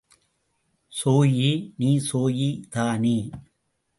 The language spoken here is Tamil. ஸோயி, நீ ஸோயி தானே!